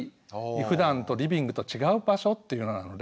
ふだんとリビングと違う場所っていうようなので。